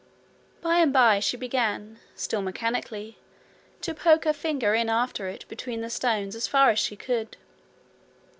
By and by she began, still mechanically, to poke her finger in after it between the stones as far as she could.